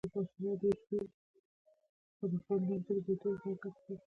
قدرت باید تل تر څارنې لاندې ونیول شي، چې ناوړه ګټه ترې نه شي.